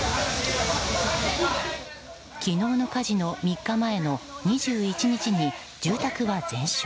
昨日の火事の３日前の２１日に住宅は全焼。